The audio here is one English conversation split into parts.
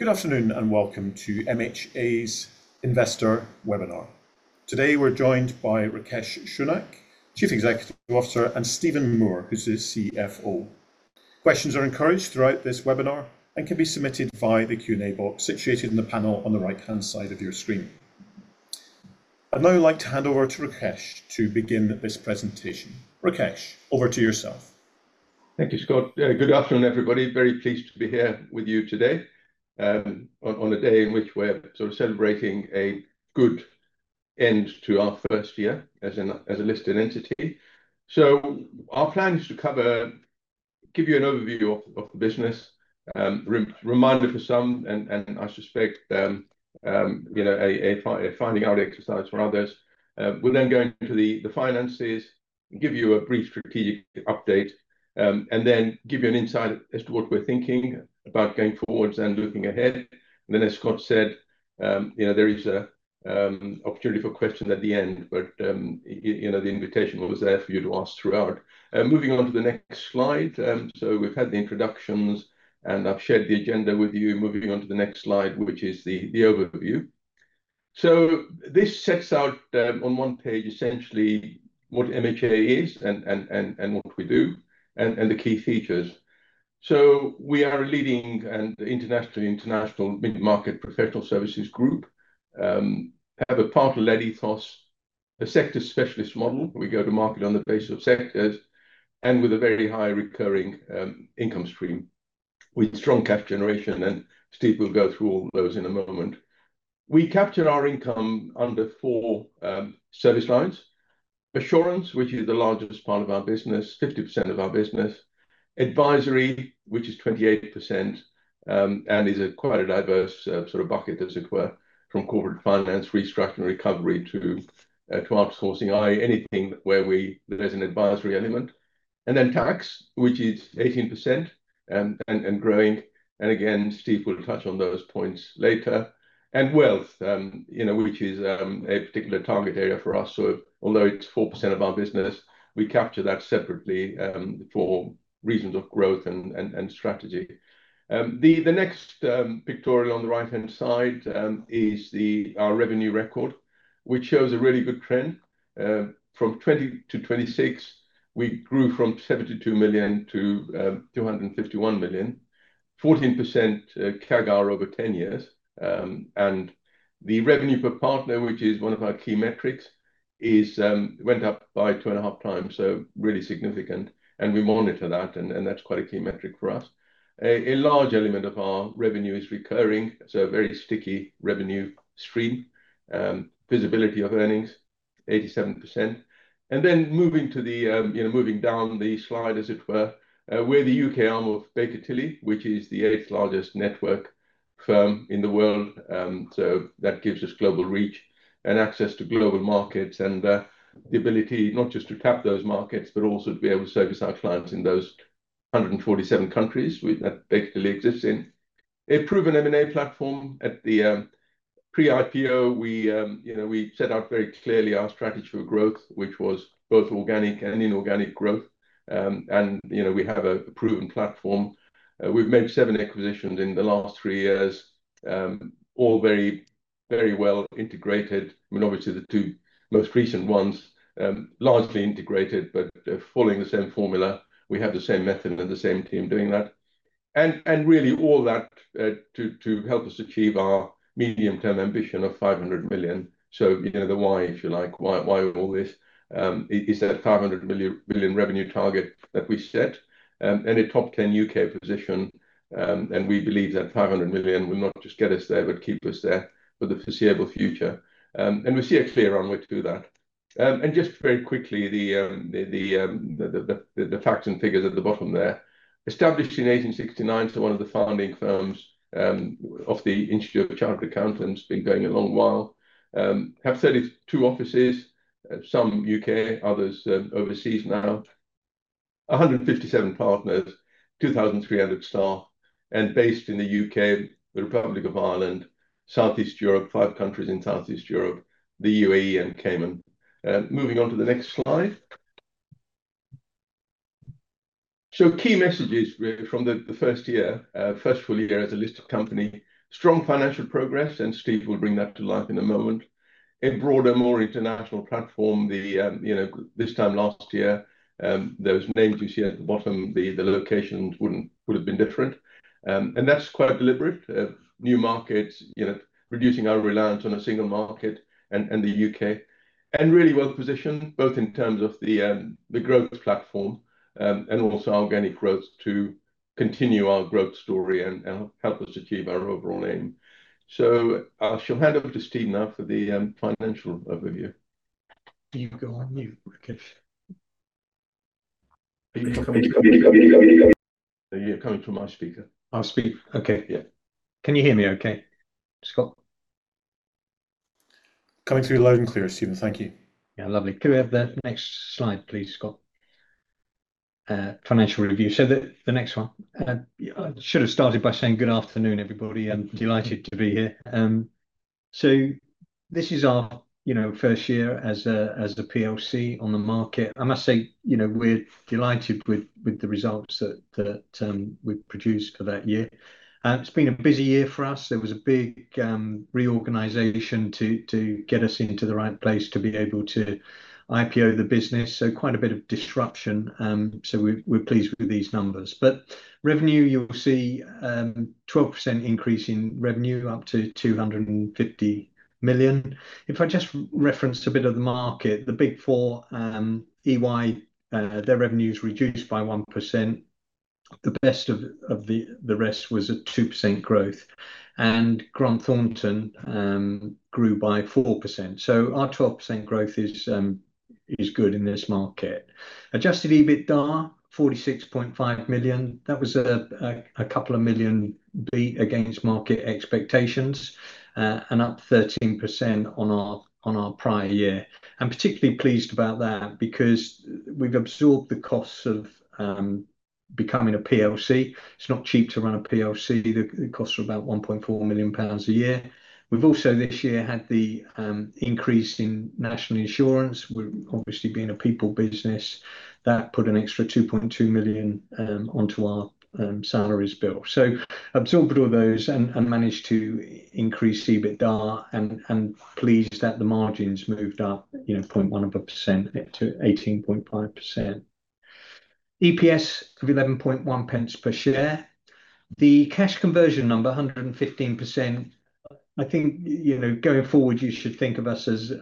Good afternoon. Welcome to MHA's Investor Webinar. Today, we're joined by Rakesh Shaunak, Chief Executive Officer, and Steven Moore, who's his CFO. Questions are encouraged throughout this webinar and can be submitted via the Q&A box situated in the panel on the right-hand side of your screen. I'd now like to hand over to Rakesh to begin this presentation. Rakesh, over to yourself. Thank you, Scott. Good afternoon, everybody. Very pleased to be here with you today, on a day in which we're celebrating a good end to our first year as a listed entity. Our plan is to give you an overview of the business. Reminder for some, and I suspect a finding out exercise for others. We'll go into the finances, give you a brief strategic update, and then give you an insight as to what we're thinking about going forwards and looking ahead. As Scott said, there is an opportunity for questions at the end, but the invitation was there for you to ask throughout. Moving on to the next slide. We've had the introductions, and I've shared the agenda with you. Moving on to the next slide, which is the overview. This sets out, on one page, essentially what MHA is and what we do, and the key features. We are a leading and international mid-market professional services group, have a partner-led ethos, a sector specialist model. We go to market on the base of sectors, and with a very high recurring income stream with strong cash generation. Steve will go through all those in a moment. We capture our income under four service lines. Assurance, which is the largest part of our business, 50% of our business. Advisory, which is 28%, and is quite a diverse bucket, as it were, from corporate finance restructuring recovery to outsourcing, i.e., anything where there's an advisory element. Tax, which is 18% and growing. Again, Steve will touch on those points later. Wealth, which is a particular target area for us. Although it's 4% of our business, we capture that separately for reasons of growth and strategy. The next pictorial on the right-hand side is our revenue record, which shows a really good trend. From 2020 to 2026, we grew from 72 million to 251 million, 14% CAGR over 10 years. The revenue per partner, which is one of our key metrics, went up by 2.5x, so really significant. We monitor that, and that's quite a key metric for us. A large element of our revenue is recurring, so very sticky revenue stream. Visibility of earnings, 87%. Moving down the slide, as it were, we're the U.K. arm of Baker Tilly, which is the eighth largest network firm in the world. That gives us global reach and access to global markets and the ability not just to tap those markets, but also to be able to service our clients in those 147 countries that Baker Tilly exists in. A proven M&A platform. At the pre-IPO, we set out very clearly our strategy for growth, which was both organic and inorganic growth. We have a proven platform. We've made seven acquisitions in the last three years, all very well integrated. Obviously the two most recent ones, largely integrated, but following the same formula. We have the same method and the same team doing that. Really all that to help us achieve our medium-term ambition of 500 million. The why, if you like. Why all this? Is that 500 million revenue target that we set, and a top 10 U.K. position. We believe that 500 million will not just get us there, but keep us there for the foreseeable future. We see a clear way to do that. Just very quickly, the facts and figures at the bottom there. Established in 1869, so one of the founding firms of the Institute of Chartered Accountants. Been going a long while. Have 32 offices, some U.K., others overseas now. 157 partners, 2,300 staff, and based in the U.K., the Republic of Ireland, Southeast Europe, five countries in Southeast Europe, the UAE, and Cayman. Moving on to the next slide. Key messages from the first full year as a listed company. Strong financial progress, and Steve will bring that to life in a moment. A broader, more international platform. This time last year, those names you see at the bottom, the locations would've been different. That's quite deliberate. New markets, reducing our reliance on a single market and the U.K. Really well-positioned, both in terms of the growth platform and also organic growth to continue our growth story and help us achieve our overall aim. I shall hand over to Steve now for the financial overview. You go on mute, Rakesh. Are you coming through my speaker? My speaker. Okay. Yeah. Can you hear me okay, Scott? Coming through loud and clear, Steven. Thank you. Lovely. Can we have the next slide, please, Scott? Financial review. The next one. I should've started by saying good afternoon, everybody. I'm delighted to be here. This is our first year as a PLC on the market. I must say, we're delighted with the results that we've produced for that year. It's been a busy year for us. There was a big reorganization to get us into the right place to be able to IPO the business, so quite a bit of disruption. We're pleased with these numbers. Revenue, you'll see 12% increase in revenue up to 250 million. If I just reference to a bit of the market, the Big Four, EY, their revenue's reduced by 1%. The best of the rest was at 2% growth. Grant Thornton grew by 4%. Our 12% growth is good in this market. Adjusted EBITDA, 46.5 million. That was a couple of million GBP beat against market expectations, and up 13% on our prior year. I'm particularly pleased about that because we've absorbed the costs of becoming a PLC. It's not cheap to run a PLC. The costs are about 1.4 million pounds a year. We've also this year had the increase in national insurance, obviously being a people business. That put an extra 2.2 million onto our salaries bill. Absorbed all those and managed to increase the EBITDA, and pleased that the margins moved up, 0.1% up to 18.5%. EPS of 0.111 per share. The cash conversion number, 115%. I think, going forward, you should think of us as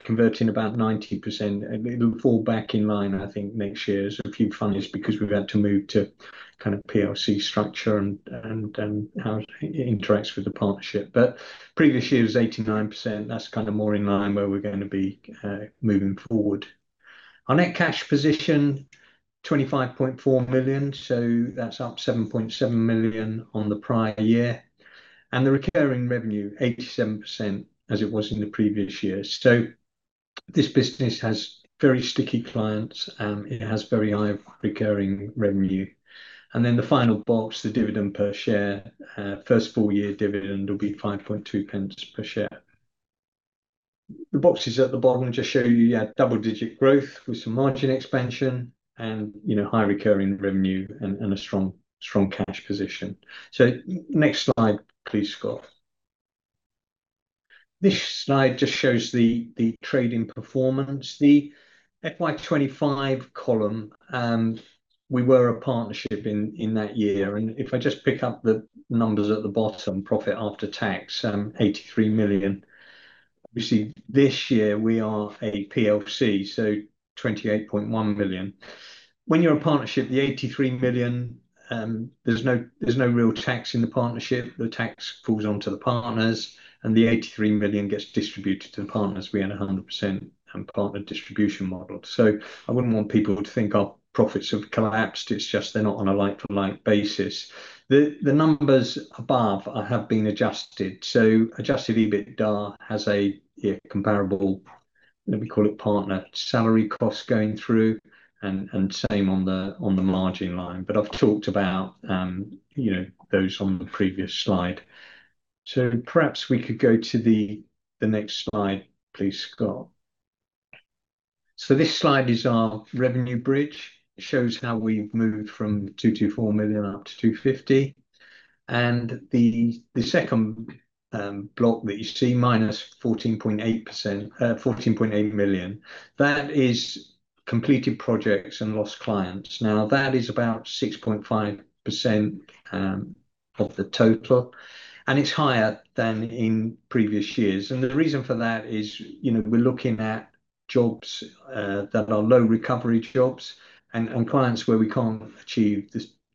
converting about 90%, and it'll fall back in line, I think, next year as a few funnies because we've had to move to kind of PLC structure and how it interacts with the partnership. Previous year was 89%. That's kind of more in line where we're going to be moving forward. Our net cash position, 25.4 million, that's up 7.7 million on the prior year. The recurring revenue, 87% as it was in the previous year. This business has very sticky clients. It has very high recurring revenue. The final box, the dividend per share. First full year dividend will be 0.052 per share. The boxes at the bottom just show you you had double-digit growth with some margin expansion and high recurring revenue and a strong cash position. Next slide, please, Scott. This slide just shows the trading performance. The FY 2025 column, we were a partnership in that year. If I just pick up the numbers at the bottom, profit after tax, 83 million. Obviously, this year we are a PLC, 28.1 million. When you're a partnership, the 83 million, there's no real tax in the partnership. The tax falls onto the partners, and the 83 million gets distributed to the partners. We had 100% partner distribution model. I wouldn't want people to think our profits have collapsed. It's just they're not on a like-to-like basis. The numbers above have been adjusted EBITDA has a comparable, we call it partner salary cost going through and same on the margin line. I've talked about those on the previous slide. Perhaps we could go to the next slide, please, Scott. This slide is our revenue bridge. It shows how we've moved from 224 million up to 250 million. The second block that you see, -14.8 million, that is completed projects and lost clients. That is about 6.5% of the total, and it's higher than in previous years. The reason for that is we're looking at jobs that are low recovery jobs and clients where we can't achieve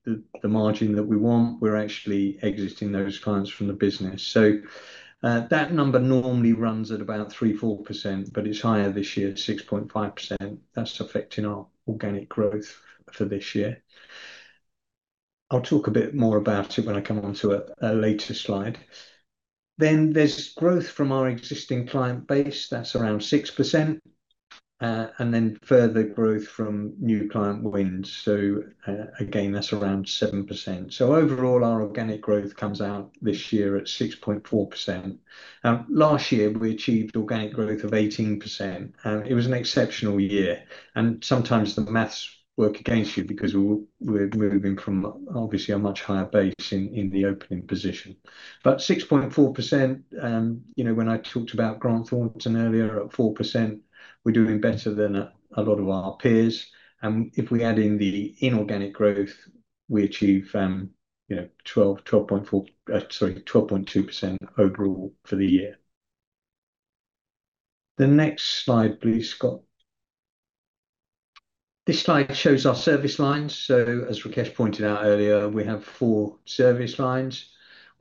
the margin that we want. We're actually exiting those clients from the business. That number normally runs at about 3%-4%, but it's higher this year at 6.5%. That's affecting our organic growth for this year. I'll talk a bit more about it when I come onto a later slide. There's growth from our existing client base. That's around 6%. Further growth from new client wins. Again, that's around 7%. Overall, our organic growth comes out this year at 6.4%. Last year we achieved organic growth of 18%, and it was an exceptional year. Sometimes the maths work against you because we're moving from obviously a much higher base in the opening position. 6.4%, when I talked about Grant Thornton earlier at 4%, we're doing better than a lot of our peers. If we add in the inorganic growth, we achieve 12.4%, sorry, 12.2% overall for the year. The next slide, please, Scott. This slide shows our service lines. As Rakesh pointed out earlier, we have four service lines.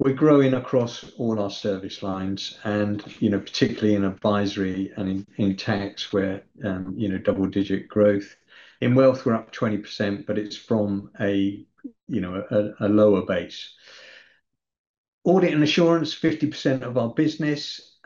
We're growing across all our service lines and particularly in Advisory and in Tax where double-digit growth. In Wealth, we're up 20%, but it's from a lower base. Audit & Assurance, 50% of our business.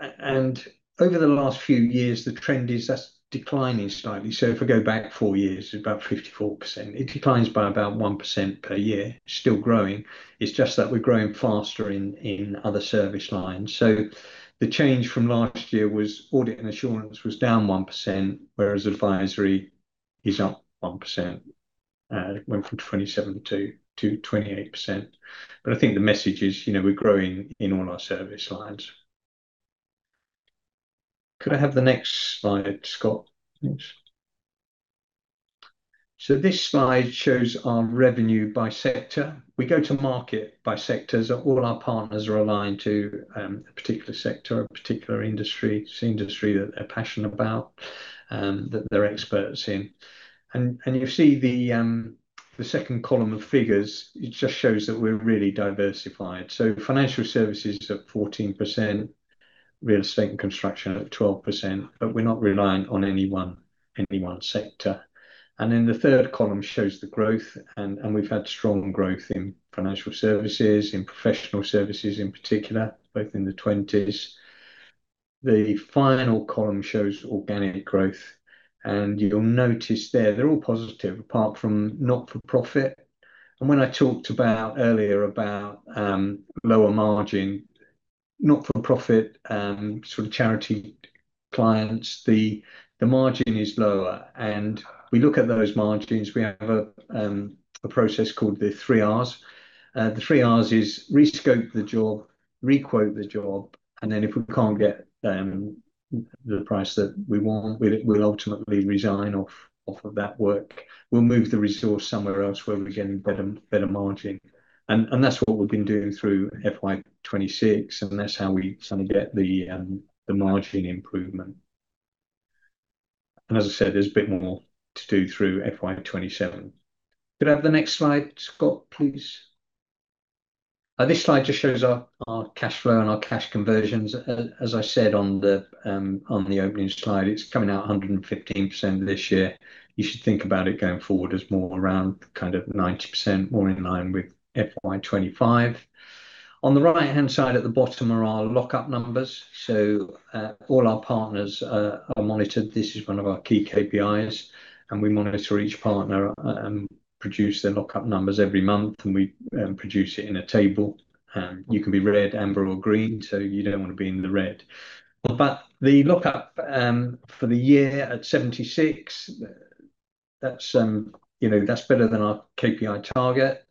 Over the last few years, the trend is that's declining slightly. If I go back four years, about 54%. It declines by about 1% per year. Still growing. It's just that we're growing faster in other service lines. The change from last year was Audit & Assurance was down 1%, whereas Advisory is up 1%. It went from 27%-28%. I think the message is, we're growing in all our service lines. Could I have the next slide, Scott, please? This slide shows our revenue by sector. We go to market by sectors. All our partners are aligned to a particular sector or a particular industry. It's the industry that they're passionate about, that they're experts in. You see the second column of figures, it just shows that we're really diversified. Financial services is at 14%, real estate and construction at 12%, but we're not reliant on any one sector. The third column shows the growth, and we've had strong growth in financial services, in professional services in particular, both in the 20s. The final column shows organic growth, and you'll notice there they're all positive apart from not-for-profit. When I talked about earlier about lower margin, not-for-profit, sort of charity clients, the margin is lower. We look at those margins. We have a process called the three Rs. The three Rs is rescope the job, requote the job, and then if we can't get the price that we want, we'll ultimately resign off of that work. We'll move the resource somewhere else where we're getting better margin. That's what we've been doing through FY 2026, and that's how we get the margin improvement. As I said, there's a bit more to do through FY 2027. Could I have the next slide, Scott, please? This slide just shows our cash flow and our cash conversions. As I said on the opening slide, it's coming out 115% this year. You should think about it going forward as more around 90%, more in line with FY 2025. On the right-hand side at the bottom are our lockup numbers. All our partners are monitored. This is one of our key KPIs, and we monitor each partner and produce their lockup numbers every month, and we produce it in a table. You can be red, amber, or green, so you don't want to be in the red. The lockup for the year at 76, that's better than our KPI target.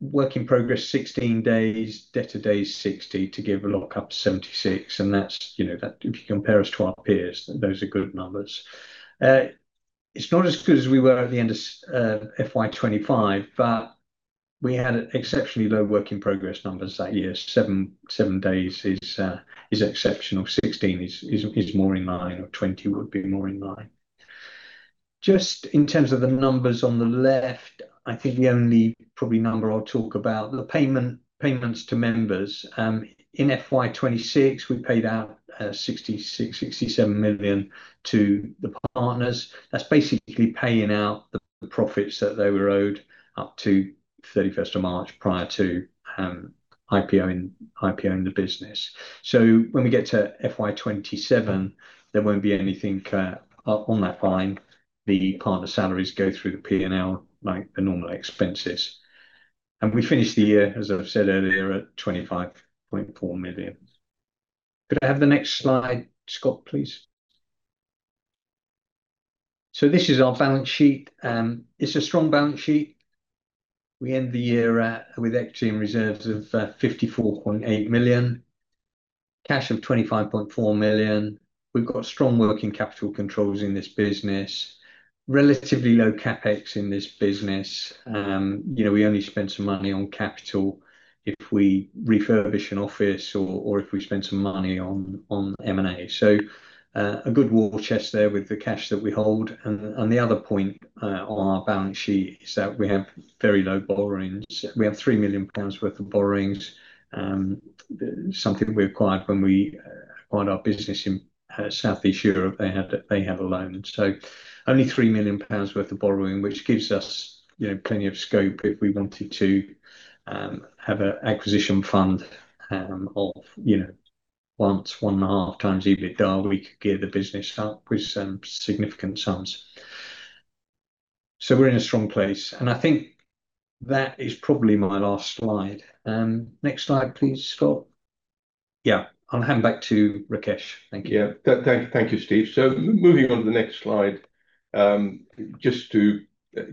Work in progress, 16 days. Debt a day is 60 to give a lockup 76. If you compare us to our peers, those are good numbers. It's not as good as we were at the end of FY 2025, we had exceptionally low work in progress numbers that year. Seven days is exceptional. 16 is more in line, or 20 would be more in line. Just in terms of the numbers on the left, I think the only probably number I'll talk about, the payments to members. In FY 2026, we paid out 66 million, 67 million to the partners. That's basically paying out the profits that they were owed up to March 31stprior to IPO in the business. When we get to FY 2027, there won't be anything on that line. The partner salaries go through the P&L like the normal expenses. We finished the year, as I've said earlier, at 25.4 million. Could I have the next slide, Scott, please? This is our balance sheet. It's a strong balance sheet. We end the year with equity and reserves of 54.8 million. Cash of 25.4 million. We've got strong working capital controls in this business. Relatively low CapEx in this business. We only spend some money on capital if we refurbish an office or if we spend some money on M&A. A good war chest there with the cash that we hold. The other point on our balance sheet is that we have very low borrowings. We have 3 million pounds worth of borrowings, something we acquired when we acquired our business in Southeast Europe. They have a loan. Only 3 million pounds worth of borrowing, which gives us plenty of scope if we wanted to have an acquisition fund of once, 1.5x EBITDA, we could gear the business up with some significant sums. We're in a strong place, and I think that is probably my last slide. Next slide, please, Scott. I'll hand back to Rakesh. Thank you. Thank you, Steve. Moving on to the next slide. Just to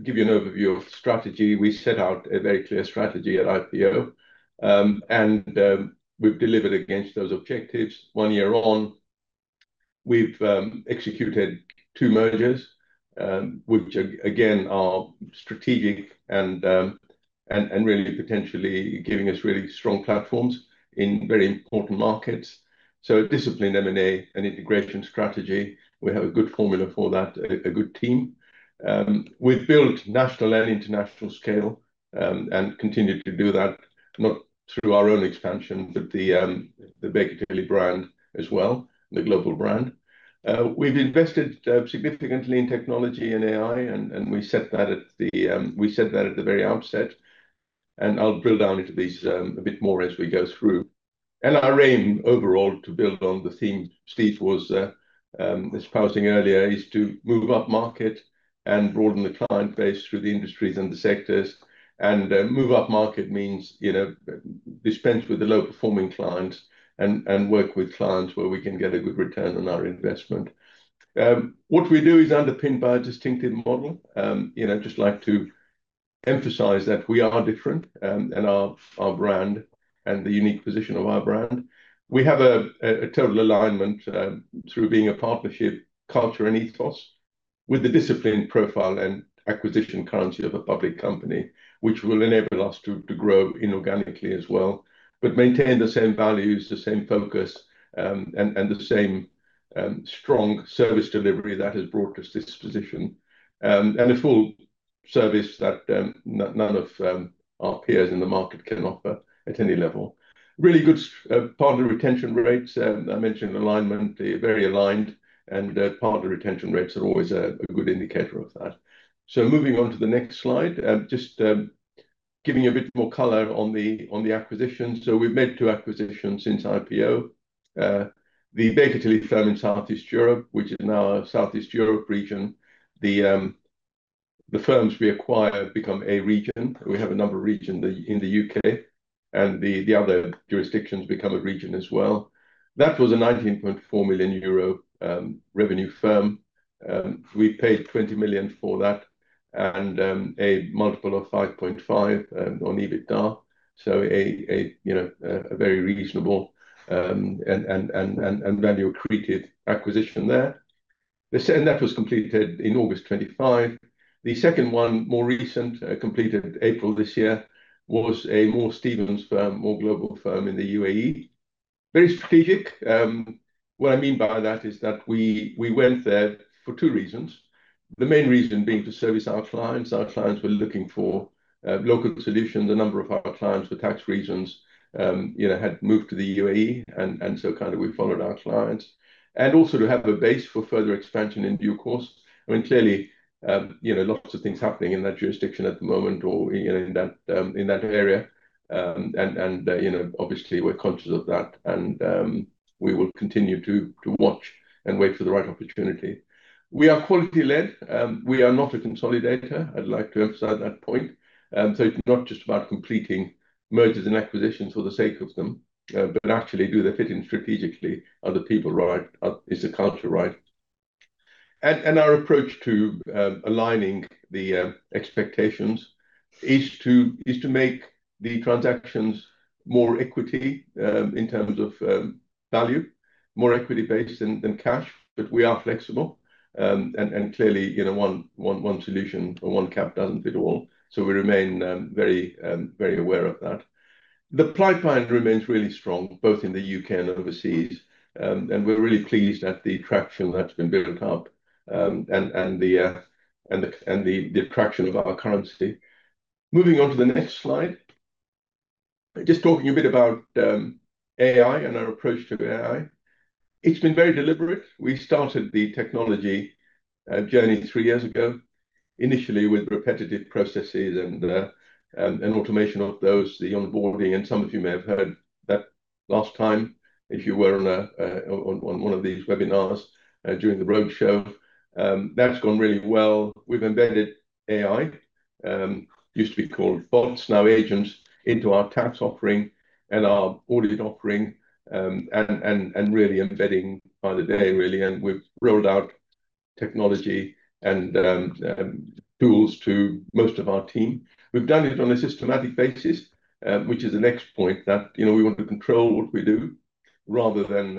give you an overview of strategy, we set out a very clear strategy at IPO, and we've delivered against those objectives. One year on, we've executed two mergers, which again, are strategic and really potentially giving us really strong platforms in very important markets. A disciplined M&A and integration strategy. We have a good formula for that, a good team. We've built national and international scale, and continue to do that, not through our own expansion, but the Baker Tilly brand as well, the global brand. We've invested significantly in technology and AI, and we set that at the very outset. I'll drill down into these a bit more as we go through. Our aim overall to build on the theme Steve was espousing earlier is to move upmarket and broaden the client base through the industries and the sectors. Move upmarket means dispense with the low-performing clients and work with clients where we can get a good return on our investment. What we do is underpinned by a distinctive model. Just like to emphasize that we are different, and our brand and the unique position of our brand. We have a total alignment through being a partnership culture and ethos with the discipline, profile, and acquisition currency of a public company, which will enable us to grow inorganically as well, but maintain the same values, the same focus, and the same strong service delivery that has brought us this position. A full service that none of our peers in the market can offer at any level. Really good partner retention rates. I mentioned alignment. They're very aligned, and partner retention rates are always a good indicator of that. Moving on to the next slide, just giving you a bit more color on the acquisitions. We've made two acquisitions since IPO. The Baker Tilly firm in Southeast Europe, which is now our Southeast Europe region. The firms we acquire become a region. We have a number of regions in the U.K., and the other jurisdictions become a region as well. That was a 19.4 million euro revenue firm. We paid 20 million for that, and a multiple of 5.5 on EBITDA. A very reasonable and value-accreted acquisition there. That was completed in August 2025. The second one, more recent, completed April this year, was a Moore Stephens firm, Moore Global firm in the UAE. Very strategic. What I mean by that is that we went there for two reasons. The main reason being to service our clients. Our clients were looking for local solutions. A number of our clients, for tax reasons, had moved to the UAE, we followed our clients. Also to have a base for further expansion in due course. Clearly, lots of things happening in that jurisdiction at the moment or in that area. We're conscious of that, and we will continue to watch and wait for the right opportunity. We are quality lead. We are not a consolidator. I'd like to emphasize that point. It's not just about completing mergers and acquisitions for the sake of them. Do they fit in strategically? Are the people right? Is the culture right? Our approach to aligning the expectations is to make the transactions more equity, in terms of value, more equity-based than cash. We are flexible. Clearly, one solution or one cap doesn't fit all. We remain very aware of that. The pipeline remains really strong, both in the U.K. and overseas. We're really pleased at the traction that's been built up, and the traction of our currency. Moving on to the next slide. Just talking a bit about AI and our approach to AI. It's been very deliberate. We started the technology journey three years ago, initially with repetitive processes and automation of those, the onboarding, and some of you may have heard that last time if you were on one of these webinars during the roadshow. That's gone really well. We've embedded AI, used to be called bots, now agents, into our tax offering and our audit offering, and really embedding by the day really, we've rolled out technology and tools to most of our team. We've done it on a systematic basis, which is the next point that we want to control what we do rather than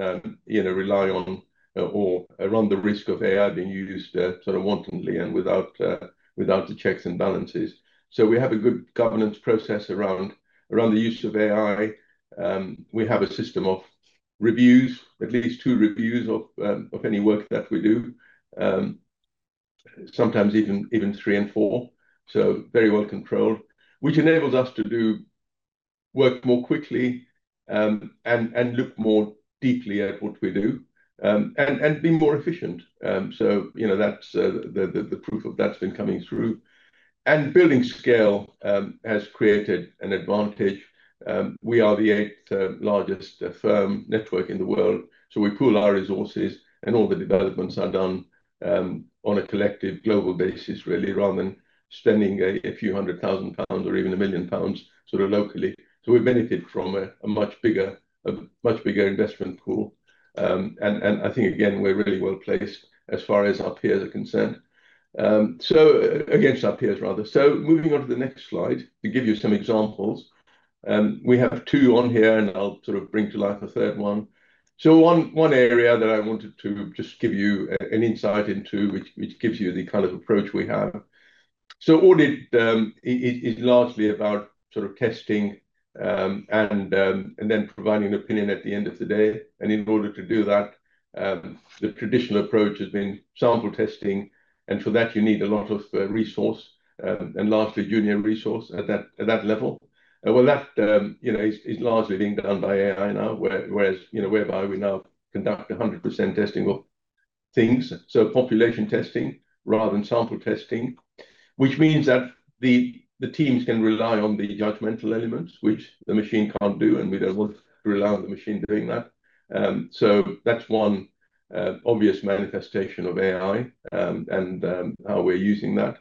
rely on or run the risk of AI being used sort of wantonly and without the checks and balances. We have a good governance process around the use of AI. We have a system of reviews, at least two reviews of any work that we do. Sometimes even three and four, very well controlled, which enables us to do work more quickly, and look more deeply at what we do, and be more efficient. The proof of that's been coming through. Building scale has created an advantage. We are the eighth-largest firm network in the world, we pool our resources, and all the developments are done on a collective global basis, really, rather than spending a few hundred thousand GBP or even 1 million pounds sort of locally. We benefit from a much bigger investment pool. I think, again, we're really well placed as far as our peers are concerned. Against our peers, rather. Moving on to the next slide to give you some examples. We have two on here, and I'll sort of bring to life a third one. One area that I wanted to just give you an insight into, which gives you the kind of approach we have. Audit is largely about sort of testing, and then providing an opinion at the end of the day. In order to do that, the traditional approach has been sample testing. For that, you need a lot of resource, and largely union resource at that level. Well, that is largely being done by AI now, whereby we now conduct 100% testing of things. Population testing rather than sample testing, which means that the teams can rely on the judgmental elements, which the machine can't do, and we don't want to rely on the machine doing that. That's one obvious manifestation of AI, and how we're using that.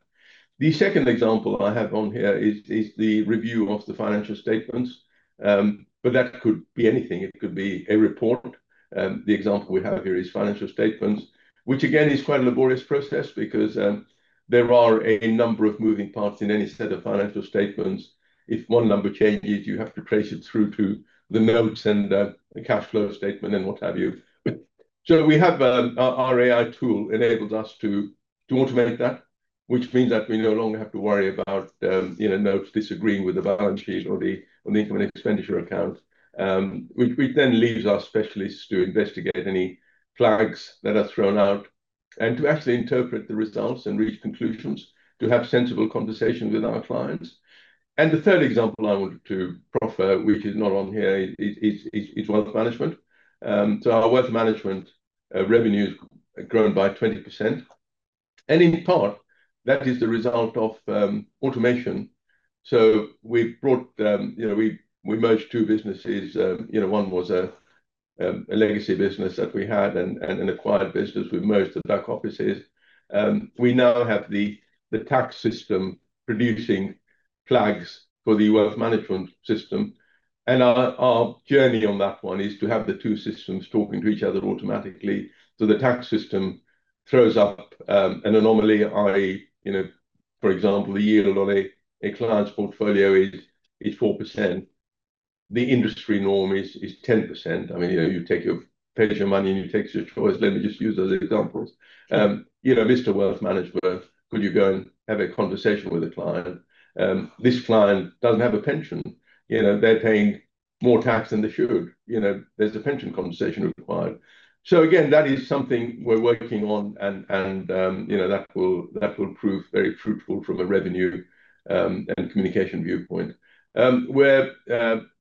The second example I have on here is the review of the financial statements, that could be anything. It could be a report. The example we have here is financial statements, which again is quite a laborious process because there are a number of moving parts in any set of financial statements. If one number changes, you have to trace it through to the notes and the cash flow statement and what have you. Our AI tool enables us to automate that, which means that we no longer have to worry about notes disagreeing with the balance sheet or the income and expenditure account, leaves our specialists to investigate any flags that are thrown out and to actually interpret the results and reach conclusions, to have sensible conversations with our clients. The third example I wanted to proffer, which is not on here, is wealth management. Our wealth management revenue's grown by 20%, and in part that is the result of automation. We merged two businesses. One was a legacy business that we had and an acquired business. We merged the back offices. We now have the tax system producing flags for the wealth management system. Our journey on that one is to have the two systems talking to each other automatically. The tax system throws up an anomaly. For example, the yield on a client's portfolio is 4%. The industry norm is 10%. You take your pension money and you take such choice. Let me just use those examples. Mr. Wealth Manager, could you go and have a conversation with a client? This client doesn't have a pension. They're paying more tax than they should. There's a pension conversation required. Again, that is something we're working on and that will prove very fruitful from a revenue, and communication viewpoint. We're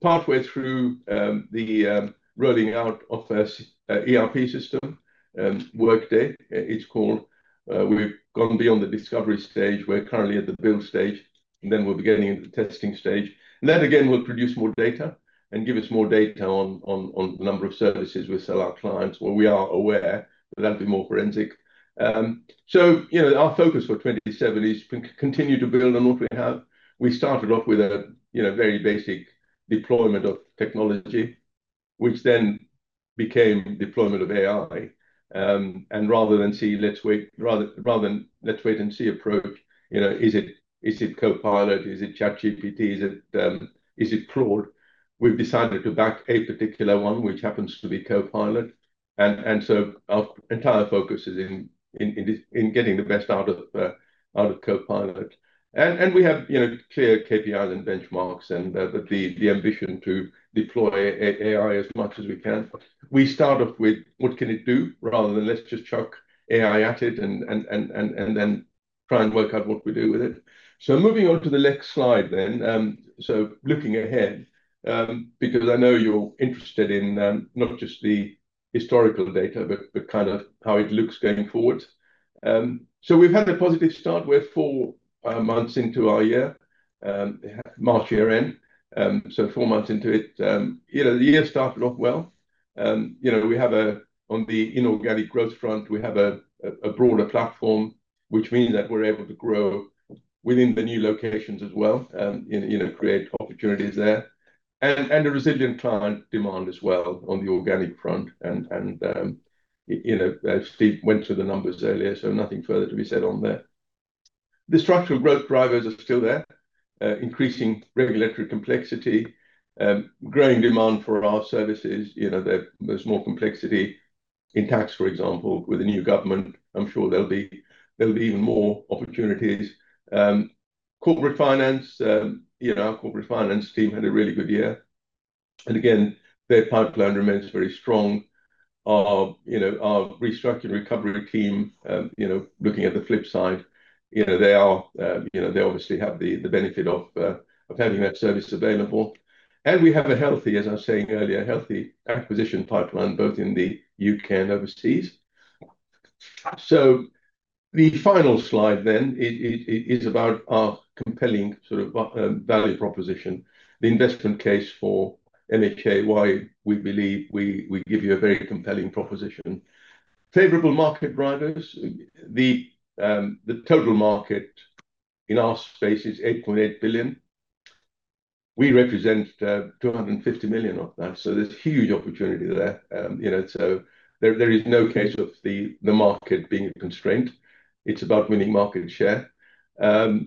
partway through the rolling out of the ERP system, Workday it's called. We've gone beyond the discovery stage. We're currently at the build stage, and then we'll be getting into the testing stage. That again, will produce more data and give us more data on the number of services we sell our clients, where we are aware, but that'll be more forensic. Our focus for FY 2027 is continue to build on what we have. We started off with a very basic deployment of technology, became deployment of AI. Rather than let's wait and see approach, is it Copilot, is it ChatGPT? Is it Claude? We've decided to back a particular one, which happens to be Copilot. Our entire focus is in getting the best out of Copilot. We have clear KPIs and benchmarks and the ambition to deploy AI as much as we can. We start off with what can it do rather than let's just chuck AI at it and then try and work out what we do with it. Moving on to the next slide then. Looking ahead, because I know you are interested in not just the historical data, but kind of how it looks going forward. We've had a positive start. We're four months into our year, March year end. Four months into it. The year started off well. On the inorganic growth front, we have a broader platform, which means that we're able to grow within the new locations as well, and create opportunities there. A resilient client demand as well on the organic front. Steve went through the numbers earlier, so nothing further to be said on there. The structural growth drivers are still there. Increasing regulatory complexity, growing demand for our services. There's more complexity in tax, for example, with the new government, I'm sure there'll be even more opportunities. Corporate finance. Our corporate finance team had a really good year. Again, their pipeline remains very strong. Our restructuring recovery team, looking at the flip side, they obviously have the benefit of having that service available. We have a healthy, as I was saying earlier, healthy acquisition pipeline, both in the U.K. and overseas. The final slide then is about our compelling sort of value proposition, the investment case for MHA, why we believe we give you a very compelling proposition. Favorable market drivers. The total market in our space is 8.8 billion. We represent 250 million of that. There's huge opportunity there. There is no case of the market being a constraint. It's about winning market share. Our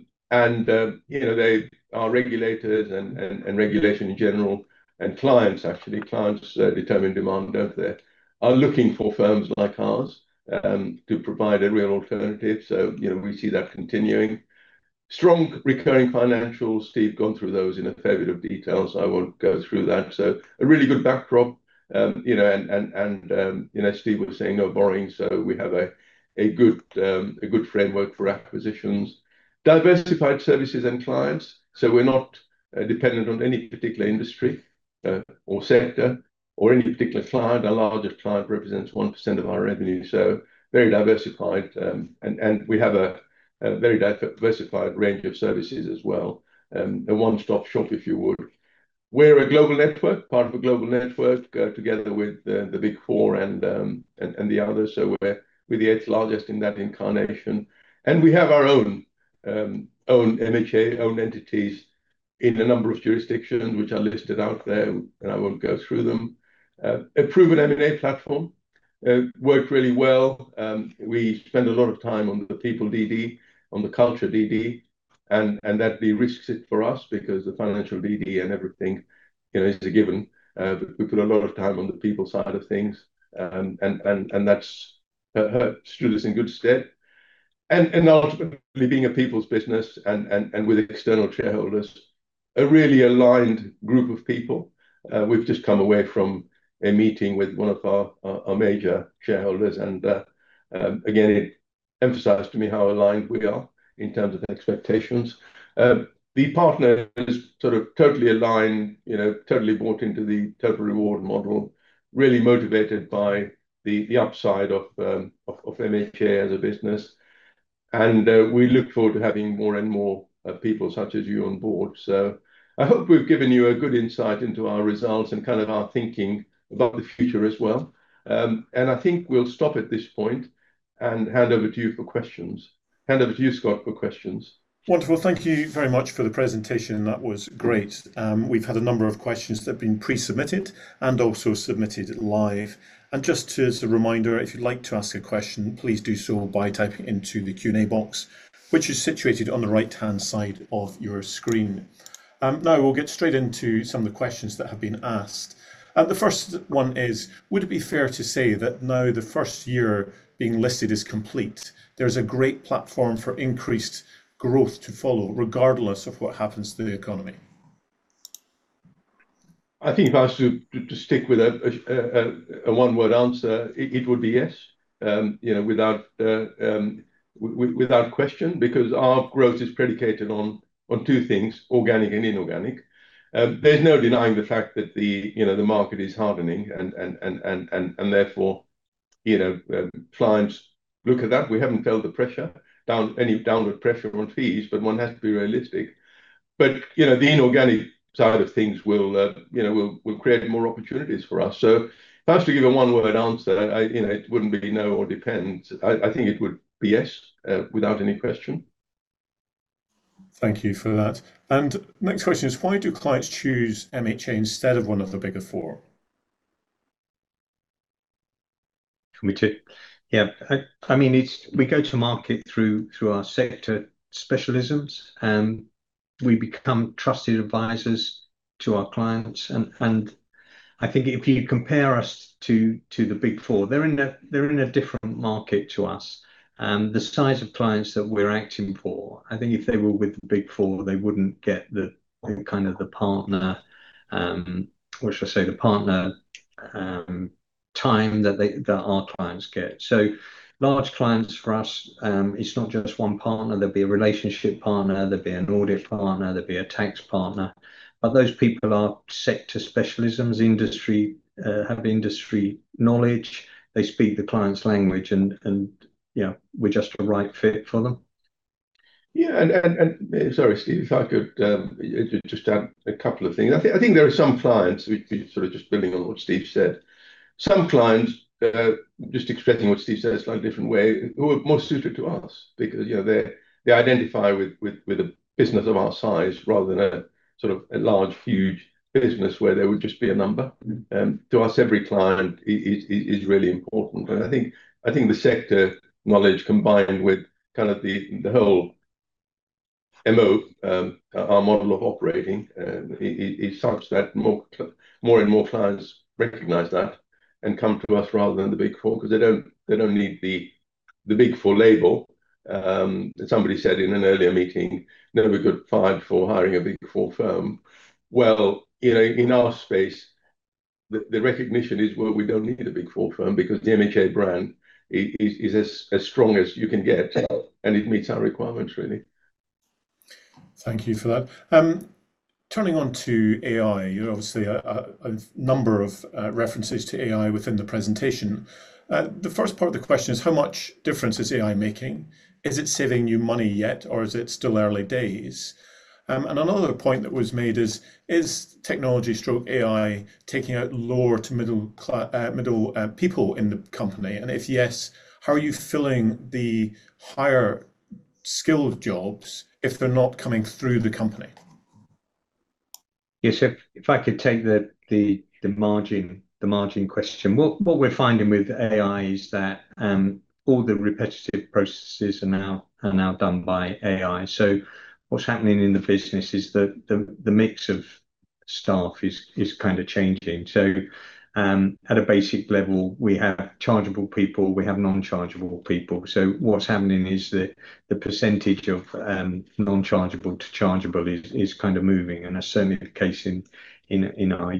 regulators and regulation in general, and clients actually, clients determine demand, don't they? Are looking for firms like ours, to provide a real alternative. We see that continuing. Strong recurring financials. Steve gone through those in a fair bit of detail, I won't go through that. A really good backdrop. Steve was saying no borrowing, we have a good framework for acquisitions. Diversified services and clients. We're not dependent on any particular industry or sector, or any particular client. Our largest client represents 1% of our revenue, so very diversified. We have a very diversified range of services as well. A one-stop shop, if you would. We're a global network, part of a global network together with the Big Four and the others. We're the eighth largest in that incarnation. We have our own MHA-owned entities in a number of jurisdictions which are listed out there, and I won't go through them. A proven M&A platform. Worked really well. We spend a lot of time on the people DD, on the culture DD. That de-risks it for us because the financial DD and everything is a given. We put a lot of time on the people side of things, and that's stood us in good stead. Ultimately, being a people's business and with external shareholders, a really aligned group of people. We've just come away from a meeting with one of our major shareholders. Again, it emphasized to me how aligned we are in terms of expectations. The partners sort of totally align, totally bought into the total reward model, really motivated by the upside of MHA as a business. We look forward to having more and more people such as you on board. I hope we've given you a good insight into our results and kind of our thinking about the future as well. I think we'll stop at this point and hand over to you for questions. Hand over to you, Scott, for questions. Wonderful. Thank you very much for the presentation. That was great. We've had a number of questions that have been pre-submitted and also submitted live. Just as a reminder, if you'd like to ask a question, please do so by typing into the Q&A box, which is situated on the right-hand side of your screen. Now we'll get straight into some of the questions that have been asked. The first one is, would it be fair to say that the first year being listed is complete, there's a great platform for increased growth to follow, regardless of what happens to the economy? I think if I was to stick with a one-word answer, it would be yes. Without question. Our growth is predicated on two things, organic and inorganic. There's no denying the fact that the market is hardening and therefore clients look at that. We haven't felt the pressure, any downward pressure on fees, but one has to be realistic. The inorganic side of things will create more opportunities for us. If I was to give a one-word answer, it wouldn't be no or depends. I think it would be yes, without any question. Thank you for that. Next question is, why do clients choose MHA instead of one of the Big Four? Yeah. We go to market through our sector specialisms. We become trusted advisors to our clients and I think if you compare us to the Big Four, they're in a different market to us. The size of clients that we're acting for, I think if they were with the Big Four, they wouldn't get the partner, or should I say the partner time that our clients get. Large clients for us, it's not just one partner. There'd be a relationship partner, there'd be an audit partner, there'd be a tax partner. Those people are sector specialisms, have industry knowledge. They speak the client's language and we're just a right fit for them. Yeah. Sorry, Steve, if I could just add a couple of things. I think there are some clients, sort of just building on what Steve said. Some clients, just expressing what Steve said a slightly different way, who are more suited to us because they identify with a business of our size rather than a large, huge business where they would just be a number. To us, every client is really important, and I think the sector knowledge combined with the whole MO, our model of operating, is such that more and more clients recognize that and come to us rather than the Big Four because they don't need the Big Four label. Somebody said in an earlier meeting, "Never a good time for hiring a Big Four firm." Well, in our space, the recognition is, well, we don't need a Big Four firm because the MHA brand is as strong as you can get, and it meets our requirements really. Thank you for that. Turning on to AI, obviously a number of references to AI within the presentation. The first part of the question is how much difference is AI making? Is it saving you money yet, or is it still early days? Another point that was made is technology/AI taking out lower-to-middle people in the company? If yes, how are you filling the higher skilled jobs if they're not coming through the company? Yes. If I could take the margin question. What we're finding with AI is that all the repetitive processes are now done by AI. What's happening in the business is the mix of staff is kind of changing. At a basic level, we have chargeable people, we have non-chargeable people. What's happening is that the percentage of non-chargeable to chargeable is kind of moving, and certainly the case in our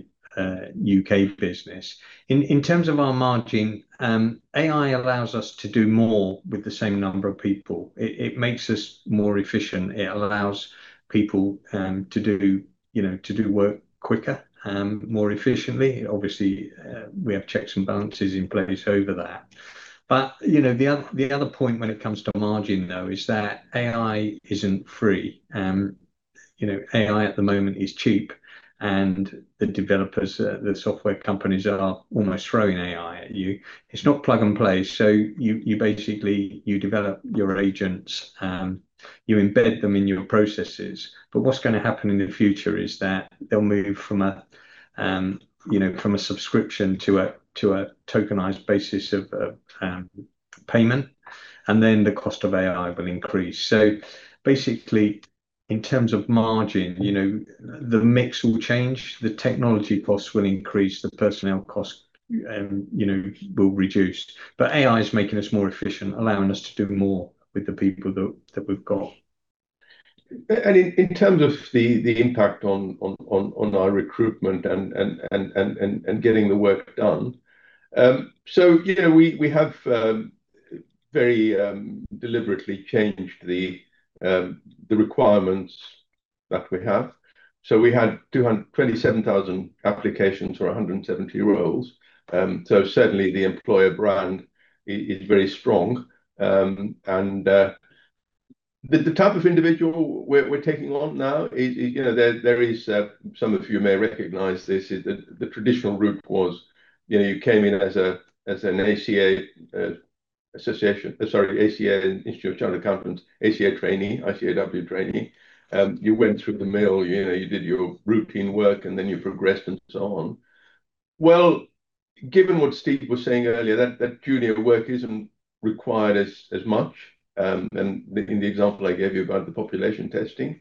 U.K. business. In terms of our margin, AI allows us to do more with the same number of people. It makes us more efficient. It allows people to do work quicker, more efficiently. Obviously, we have checks and balances in place over that. The other point when it comes to margin, though, is that AI isn't free. AI at the moment is cheap, and the developers, the software companies are almost throwing AI at you. It's not plug-and-play. You basically develop your agents, you embed them in your processes. What's going to happen in the future is that they'll move from a subscription to a tokenized basis of payment, the cost of AI will increase. Basically, in terms of margin, the mix will change. The technology costs will increase, the personnel cost will reduce. AI is making us more efficient, allowing us to do more with the people that we've got. In terms of the impact on our recruitment and getting the work done. We have very deliberately changed the requirements that we have. We had 227,000 applications for 170 roles. Certainly the employer brand is very strong. The type of individual we're taking on now is, some of you may recognize this, is the traditional route was you came in as an ACA trainee, ICAEW trainee. You went through the mill, you did your routine work, you progressed and so on. Well, given what Steve was saying earlier, that junior work isn't required as much. In the example I gave you about the population testing.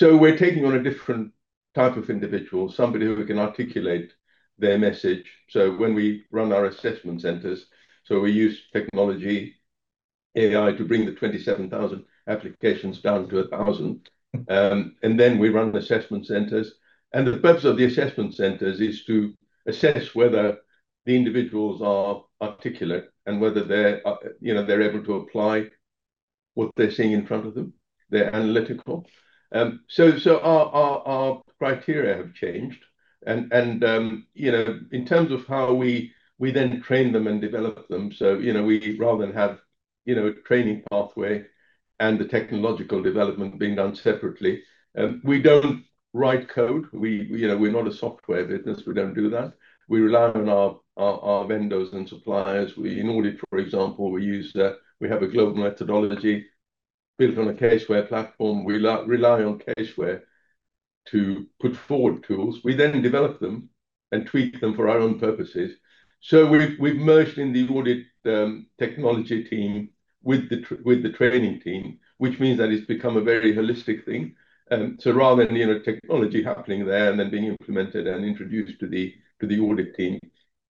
We're taking on a different type of individual, somebody who can articulate their message. When we run our assessment centers, so we use technology AI to bring the 27,000 applications down to 1,000, we run assessment centers. The purpose of the assessment centers is to assess whether the individuals are articulate and whether they're able to apply what they're seeing in front of them, they're analytical. Our criteria have changed and in terms of how we then train them and develop them. We rather than have a training pathway and the technological development being done separately. We don't write code. We're not a software business. We don't do that. We rely on our vendors and suppliers. In audit, for example, we have a global methodology built on a Caseware platform. We rely on CaseWare to put forward tools. We then develop them and tweak them for our own purposes. We've merged in the audit technology team with the training team, which means that it's become a very holistic thing. Rather than technology happening there being implemented and introduced to the audit team,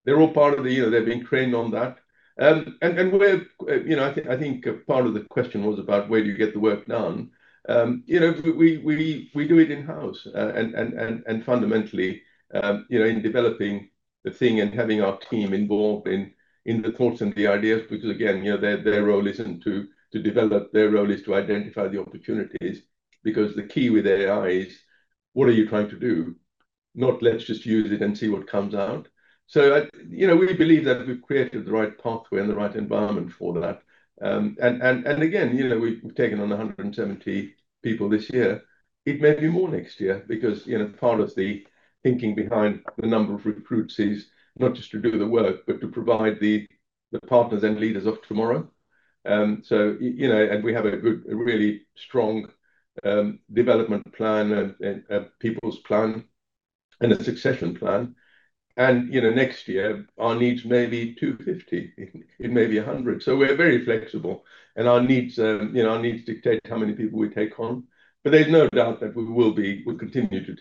they're being trained on that. I think part of the question was about where do you get the work done? We do it in-house. Fundamentally, in developing the thing and having our team involved in the thoughts and the ideas, which again, their role isn't to develop, their role is to identify the opportunities. Because the key with AI is what are you trying to do? Not let's just use it and see what comes out. We believe that we've created the right pathway and the right environment for that. Again, we've taken on 170 people this year. It may be more next year because part of the thinking behind the number of recruits is not just to do the work, but to provide the partners and leaders of tomorrow. We have a really strong development plan and people's plan and a succession plan. Next year our needs may be 250, it may be 100. We're very flexible and our needs dictate how many people we take on. There's no doubt that we'll continue to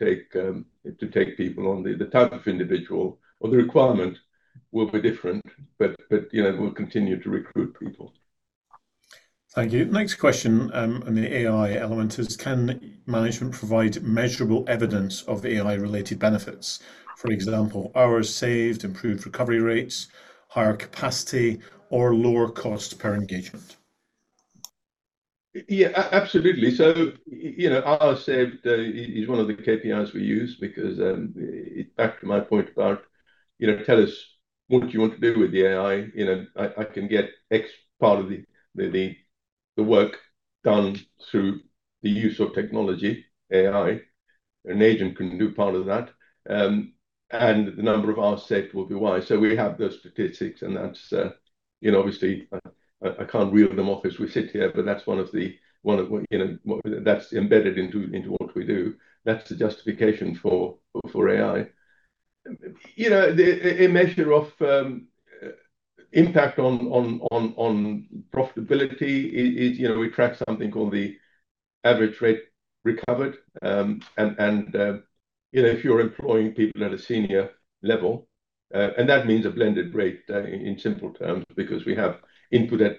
take people on. The type of individual or the requirement will be different, we'll continue to recruit people. Thank you. Next question on the AI element is can management provide measurable evidence of AI-related benefits? For example, hours saved, improved recovery rates, higher capacity, or lower cost per engagement? Yeah, absolutely. Hours saved is one of the KPIs we use because, back to my point about tell us what you want to do with the AI. I can get X part of the work done through the use of technology, AI, an agent can do part of that. The number of hours saved will be Y. We have those statistics and that's obviously I can't reel them off as we sit here, but that's embedded into what we do. That's the justification for AI. A measure of impact on profitability is we track something called the average rate recovered. If you're employing people at a senior level, and that means a blended rate in simple terms because we have input at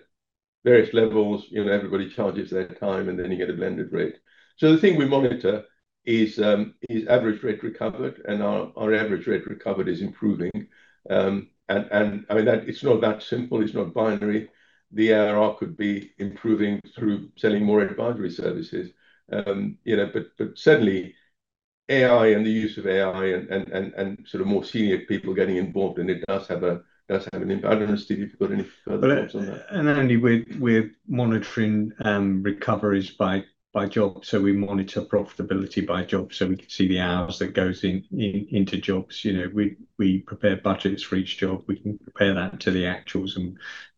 various levels, everybody charges their time and then you get a blended rate. The thing we monitor is average rate recovered and our average rate recovered is improving. It's not that simple. It's not binary. The ARR could be improving through selling more Advisory services. Certainly AI and the use of AI and more senior people getting involved, and it does have an impact. Steve, have you got any further thoughts on that? And, we're monitoring recoveries by job, so we monitor profitability by job so we can see the hours that goes into jobs. We prepare budgets for each job. We can compare that to the actuals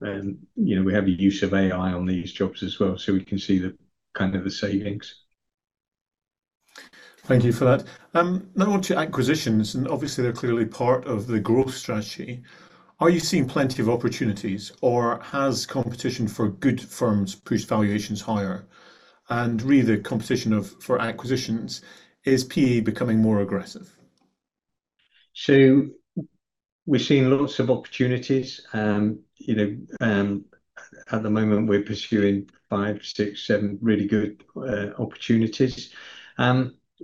and we have the use of AI on these jobs as well. We can see the savings. Thank you for that. Now on to acquisitions. Obviously, they're clearly part of the growth strategy. Are you seeing plenty of opportunities or has competition for good firms pushed valuations higher? Really, competition for acquisitions, is PE becoming more aggressive? We're seeing lots of opportunities. At the moment we're pursuing five, six, seven really good opportunities.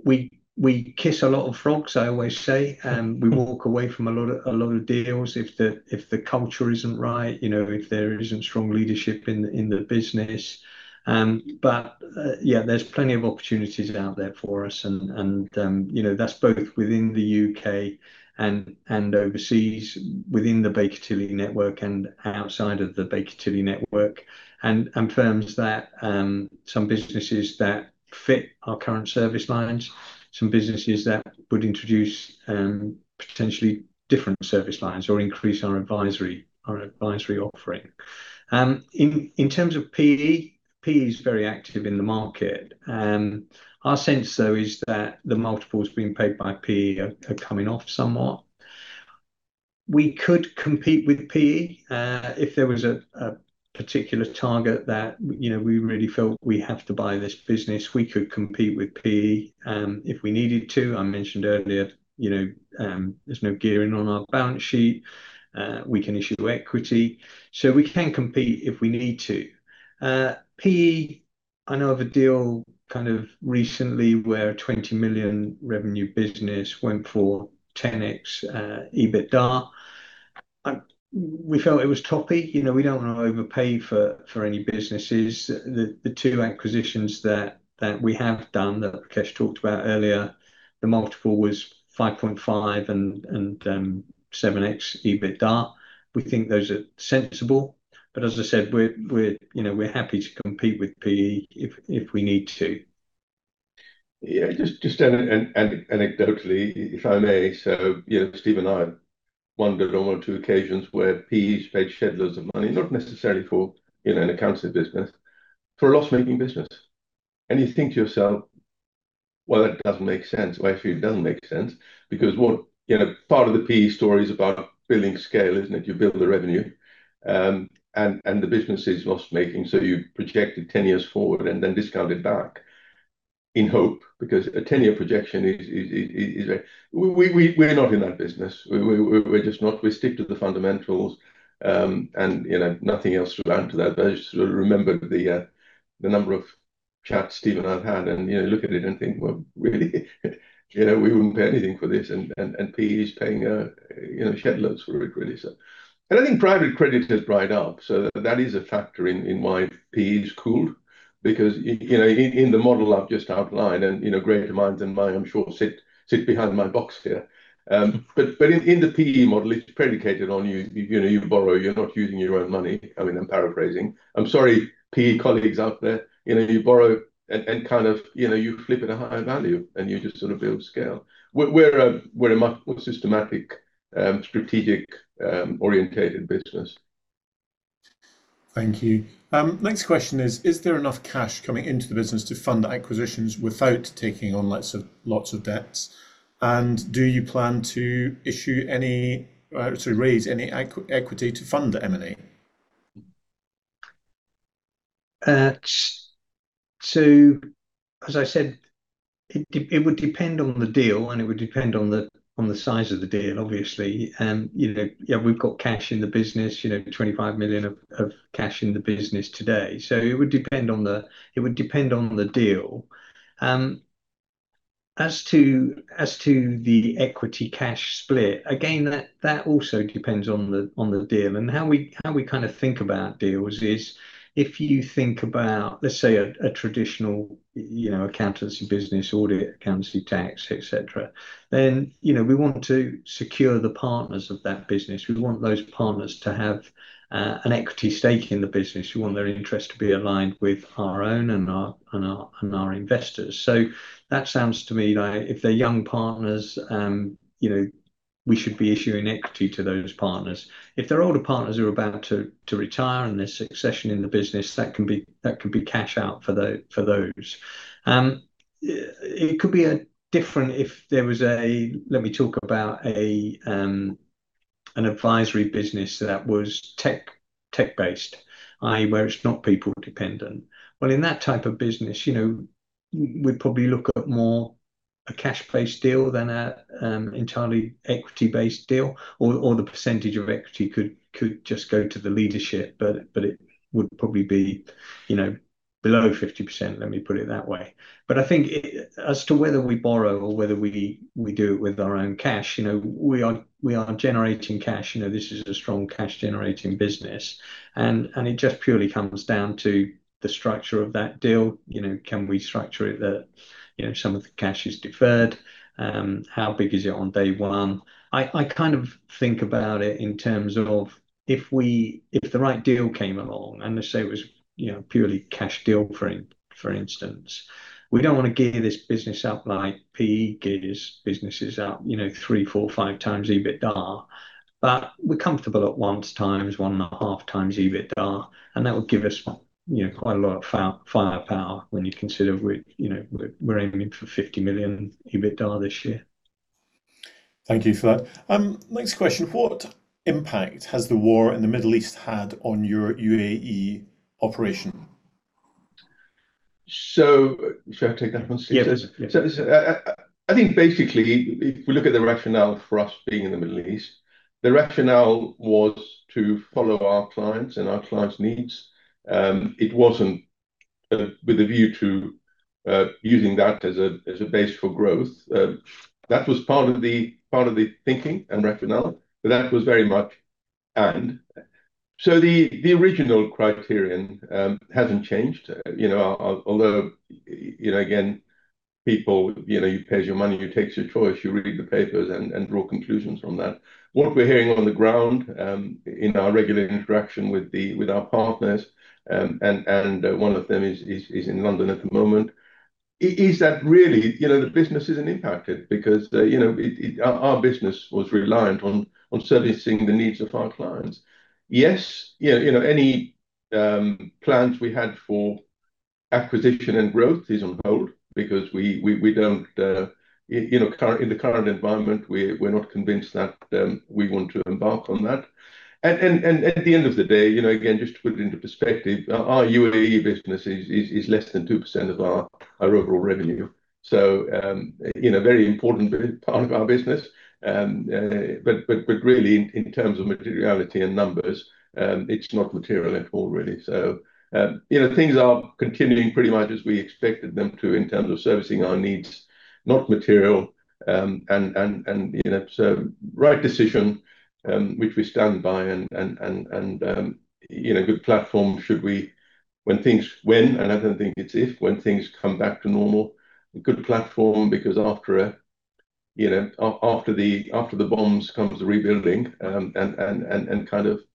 We kiss a lot of frogs, I always say. We walk away from a lot of deals if the culture isn't right, if there isn't strong leadership in the business. Yeah, there's plenty of opportunities out there for us, and that's both within the U.K. and overseas, within the Baker Tilly network and outside of the Baker Tilly network. Firms that some businesses that fit our current service lines, some businesses that would introduce potentially different service lines or increase our Advisory offering. In terms of PE is very active in the market. Our sense though is that the multiples being paid by PE are coming off somewhat. We could compete with PE if there was a particular target that we really felt we have to buy this business. We could compete with PE if we needed to. I mentioned earlier, there's no gearing on our balance sheet. We can issue equity. We can compete if we need to. PE, I know of a deal kind of recently where a 20 million revenue business went for 10x EBITDA. We felt it was toppy. We don't want to overpay for any businesses. The two acquisitions that we have done, that Rakesh talked about earlier, the multiple was 5.5x and 7x EBITDA. We think those are sensible, but as I said, we're happy to compete with PE if we need to. Yeah, just anecdotally, if I may. Steve and I wondered on one or two occasions where PEs paid shed loads of money, not necessarily for an accounts business, for a loss-making business. You think to yourself, "Well, that doesn't make sense." Well, actually it doesn't make sense because part of the PE story is about building scale, isn't it? You build the revenue, and the business is loss-making, so you project it 10 years forward and then discount it back in hope, because a 10-year projection is We're not in that business. We're just not. We stick to the fundamentals, and nothing else to add to that. I just remembered the number of chats Steve and I have had, and you look at it and think, "Well, really we wouldn't pay anything for this." PE's paying shed loads for it, really. I think private credit has dried up, that is a factor in why PE's cooled. In the model I've just outlined, and greater minds than mine, I'm sure, sit behind my box here. In the PE model, it's predicated on you borrow, you're not using your own money. I'm paraphrasing. I'm sorry, PE colleagues out there. You borrow and you flip at a high value, and you just build scale. We're a much more systematic, strategic-orientated business. Thank you. Next question is there enough cash coming into the business to fund acquisitions without taking on lots of debts? Do you plan to raise any equity to fund the M&A? As I said, it would depend on the deal, and it would depend on the size of the deal, obviously. We've got cash in the business, 25 million of cash in the business today. It would depend on the deal. As to the equity cash split, again, that also depends on the deal, and how we think about deals is if you think about, let's say a traditional accountancy business, audit, accountancy tax, et cetera, then we want to secure the partners of that business. We want those partners to have an equity stake in the business. We want their interest to be aligned with our own and our investors. That sounds to me like if they're young partners, we should be issuing equity to those partners. If they're older partners who are about to retire, there's succession in the business, that can be cash out for those. It could be different if there was, let me talk about an Advisory business that was tech-based, i.e. where it's not people dependent. In that type of business, we'd probably look at more a cash-based deal than an entirely equity-based deal, or the percentage of equity could just go to the leadership, but it would probably be below 50%, let me put it that way. I think as to whether we borrow or whether we do it with our own cash, we are generating cash. This is a strong cash-generating business. It just purely comes down to the structure of that deal. Can we structure it that some of the cash is deferred? How big is it on day one? I kind of think about it in terms of if the right deal came along, let's say it was purely cash deal, for instance. We don't want to gear this business up like PE gears businesses up 3x, 4x, 5x EBITDA, we're comfortable at 1x, 1.5x EBITDA, that would give us quite a lot of firepower when you consider we're aiming for 50 million EBITDA this year. Thank you for that. Next question, what impact has the war in the Middle East had on your UAE operation? Should I take that one, Steve? Yeah. I think basically, if we look at the rationale for us being in the Middle East, the rationale was to follow our clients and our clients' needs. It wasn't with a view to using that as a base for growth. That was part of the thinking and rationale, but that was very much, "And." The original criterion hasn't changed. Although again, people, you pays your money, you takes your choice, you read the papers and draw conclusions from that. What we're hearing on the ground in our regular interaction with our partners, and one of them is in London at the moment, is that really the business isn't impacted because our business was reliant on servicing the needs of our clients. Yes, any plans we had for acquisition and growth is on hold because in the current environment, we're not convinced that we want to embark on that. At the end of the day, again, just to put it into perspective, our UAE business is less than 2% of our overall revenue. Very important part of our business, but really in terms of materiality and numbers, it's not material at all, really. Things are continuing pretty much as we expected them to in terms of servicing our needs, not material. Right decision, which we stand by, and good platform should we, when, and I don't think it's if, when things come back to normal, a good platform because after the bombs comes the rebuilding, and the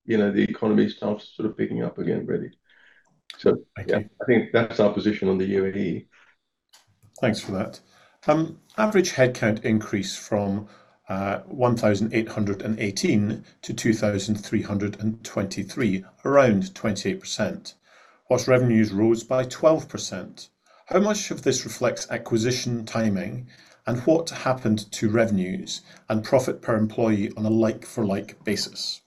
economy starts sort of picking up again, really. I think that's our position on the UAE. Thanks for that. Average headcount increased from 1,818 to 2,323, around 28%, whilst revenues rose by 12%. How much of this reflects acquisition timing, and what happened to revenues and profit per employee on a like for like basis?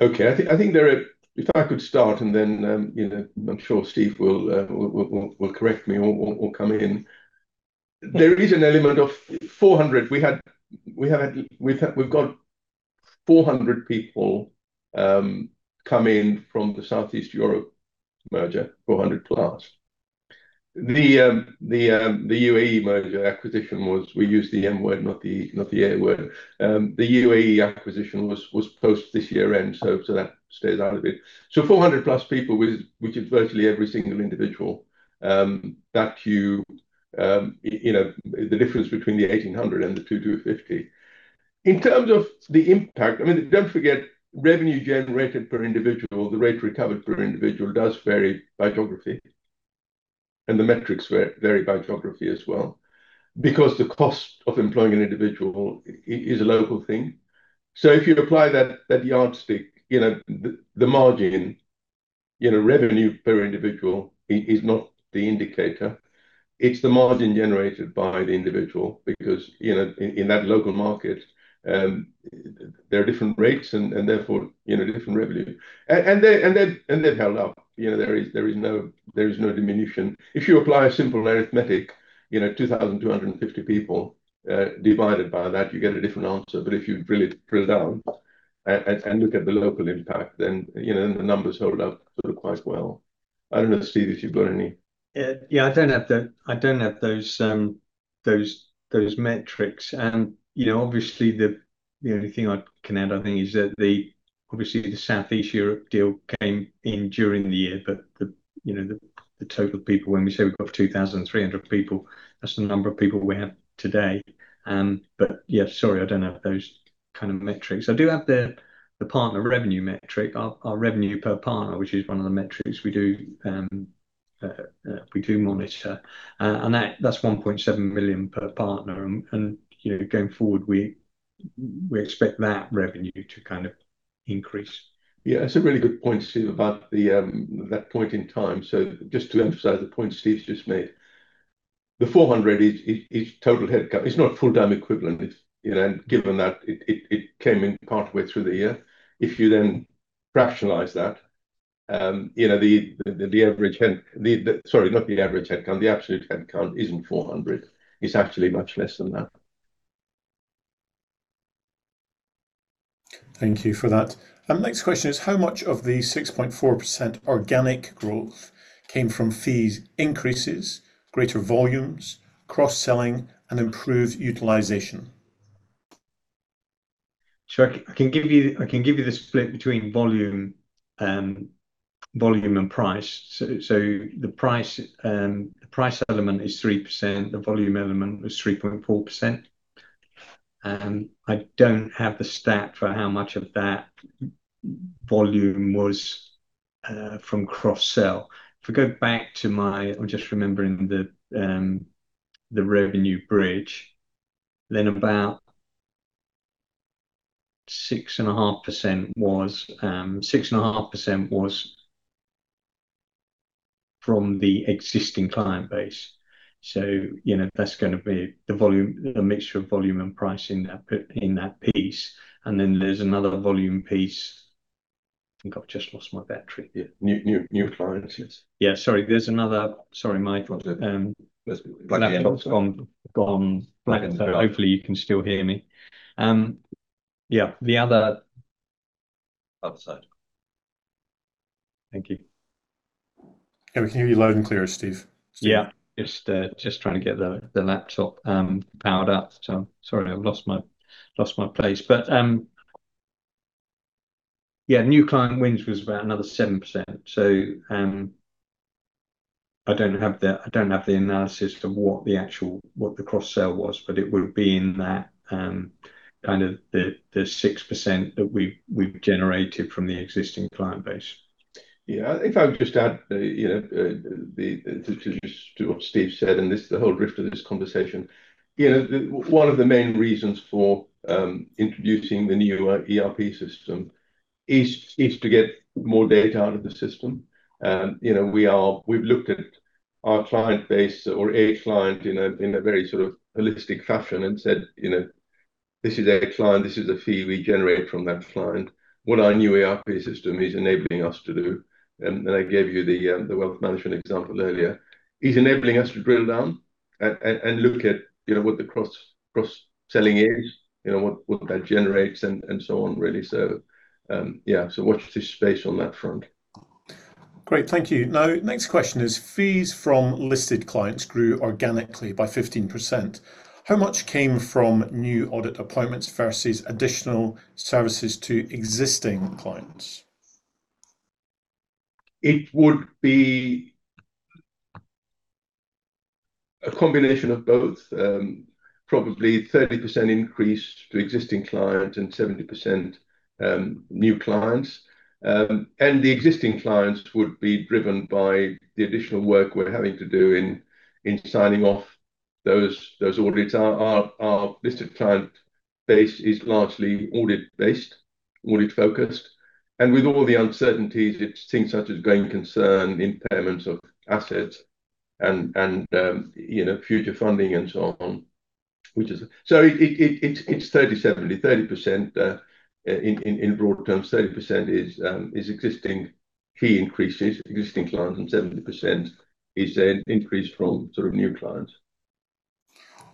Okay. I think if I could start, and then I'm sure Steve will correct me or come in. There is an element of 400. We've got 400 people come in from the South-East Europe merger, 400+. The UAE merger acquisition was we used the M word, not the A word. The UAE acquisition was post this year end, that stays out of it. 400+ people, which is virtually every single individual that the difference between the 1,800 and the 2,250. In terms of the impact, don't forget, revenue generated per individual, the rate recovered per individual does vary by geography, and the metrics vary by geography as well. Because the cost of employing an individual is a local thing. If you apply that yardstick, the margin, revenue per individual is not the indicator, it's the margin generated by the individual because in that local market, there are different rates and therefore different revenue. They've held up. There is no diminution. If you apply simple arithmetic, 2,250 people divided by that, you get a different answer. If you drill it down and look at the local impact, then the numbers hold up quite well. I don't know, Steve, if you've got any. I don't have those metrics. The only thing I can add, I think, is that obviously the Baker Tilly South-East Europe deal came in during the year, but the total people, when we say we've got 2,300 people, that's the number of people we have today. Sorry, I don't have those kind of metrics. I do have the partner revenue metric, our revenue per partner, which is one of the metrics we do monitor. That's 1.7 million per partner, and going forward, we expect that revenue to kind of increase. That's a really good point, Steve, about that point in time. Just to emphasize the point Steve's just made, the 400 is total headcount. It's not full-time equivalent. Given that it came in partway through the year, if you then rationalize that, the average headcount, sorry, not the average headcount, the absolute headcount isn't 400. It's actually much less than that. Thank you for that. Next question is, how much of the 6.4% organic growth came from fees increases, greater volumes, cross-selling and improved utilization? Sure. I can give you the split between volume and price. The price element is 3%, the volume element was 3.4%. I don't have the stat for how much of that volume was from cross-sell. If I go back to my, I'm just remembering the revenue bridge, then about 6.5% was from the existing client base. That's going to be the mixture of volume and price in that piece, and then there's another volume piece. I think I've just lost my battery. Yeah. New clients, yes. Yeah, sorry. There's another. Sorry. That's it. Laptop's gone black. Hopefully you can still hear me. Yeah, the other side. Thank you. Yeah, we can hear you loud and clear, Steve. Just trying to get the laptop powered up. Sorry, I've lost my place. New client wins was about another 7%. I don't have the analysis to what the cross-sell was, but it would be in that kind of the 6% that we've generated from the existing client base. If I would just add to what Steve said, this is the whole drift of this conversation. One of the main reasons for introducing the new ERP system is to get more data out of the system. We've looked at our client base or a client in a very sort of holistic fashion and said, "This is a client. This is the fee we generate from that client." What our new ERP system is enabling us to do, and I gave you the wealth management example earlier, is enabling us to drill down and look at what the cross-selling is, what that generates, and so on, really. Watch this space on that front. Great. Thank you. Next question is, fees from listed clients grew organically by 15%. How much came from new audit appointments versus additional services to existing clients? It would be a combination of both. Probably 30% increase to existing clients and 70% new clients. The existing clients would be driven by the additional work we're having to do in signing off those audits. Our listed client base is largely Audit & Assurance focused, and with all the uncertainties, it's things such as going concern, impairments of assets and future funding and so on. It's 30%, 70%. 30% in broad terms, 30% is existing fee increases, existing clients, and 70% is an increase from sort of new clients.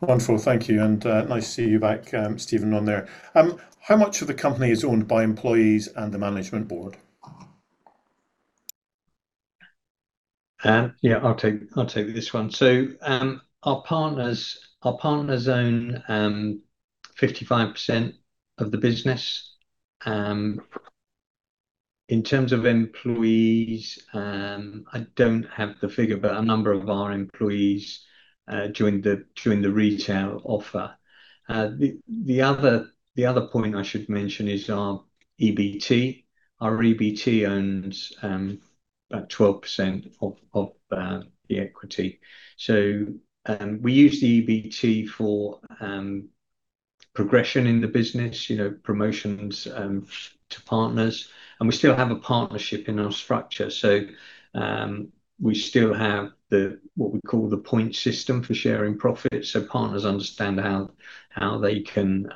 Wonderful. Thank you. Nice to see you back, Steven, on there. How much of the company is owned by employees and the management board? I'll take this one. Our partners own 55% of the business. In terms of employees, I don't have the figure, but a number of our employees joined the retail offer. The other point I should mention is our EBT. Our EBT owns about 12% of the equity. We use the EBT for progression in the business, promotions to partners, and we still have a partnership in our structure. We still have what we call the point system for sharing profits, so partners understand how they can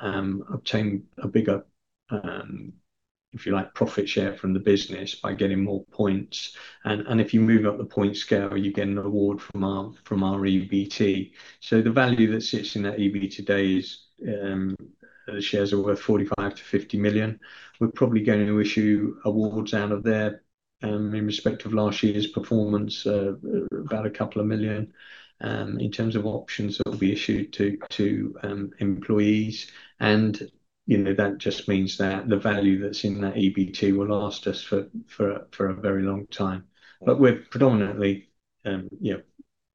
obtain a bigger, if you like, profit share from the business by getting more points. If you move up the point scale, you get an award from our EBT. The value that sits in that EBT today is the shares are worth 45 million-50 million. We're probably going to issue awards out of there in respect of last year's performance, about a couple of million, in terms of options that will be issued to employees. That just means that the value that's in that EBT will last us for a very long time. But we're predominantly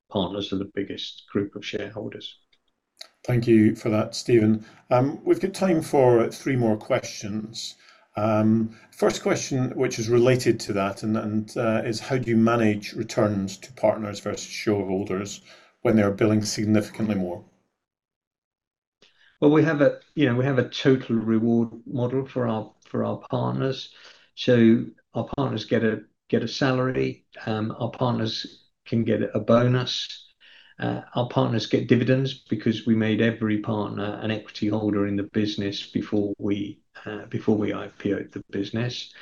partners are the biggest group of shareholders. Thank you for that, Steven. We've got time for three more questions. First question, which is related to that and is how do you manage returns to partners versus shareholders when they're billing significantly more? Well, we have a total reward model for our partners. Our partners get a salary. Our partners can get a bonus. Our partners get dividends because we made every partner an equity holder in the business before we IPO'd the business.